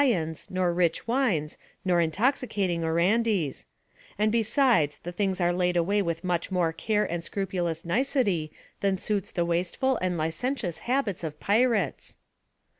^nds nor rich wines nor intoxicating orandies ; and besides, the things are laid away with much more care and scrupulous nicety than suits the wasteful and licentious habits of pirates."